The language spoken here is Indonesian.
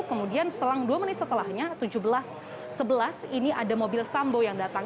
kemudian selang dua menit setelahnya tujuh belas sebelas ini ada mobil sambo yang datang